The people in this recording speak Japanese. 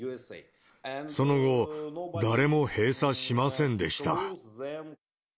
その後、誰も閉鎖しませんでした。